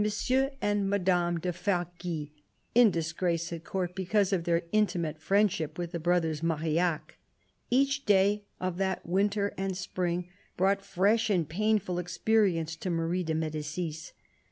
and Madame THE CARDINAL 219 du Fargis, in disgrace at Court because of their intimate friendship with the brothers Marillac. Each day of that winter and spring brought fresh and painful experience to Marie de M6dicis.